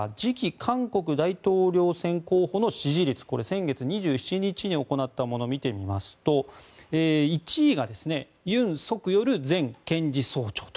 韓国大統領選候補の支持率これ、先月２７日に行ったもの見てみますと１位がユン・ソクヨル前検事総長と。